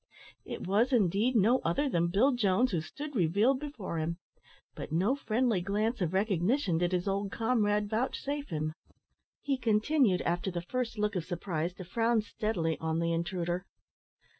It was, indeed, no other than Bill Jones who stood revealed before him; but no friendly glance of recognition did his old comrade vouchsafe him. He continued, after the first look of surprise, to frown steadily on the intruder.